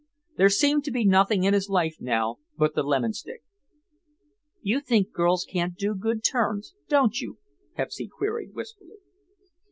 There seemed to be nothing in his life now but the lemon stick. "You think girls can't do good turns, don't you?" Pepsy queried wistfully.